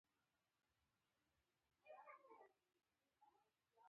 هغه دا دی چې ښځه په خپه حالت او غم کې نه وي.